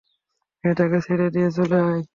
মেয়েটাকে ছেড়ে দিয়ে চলে আয়।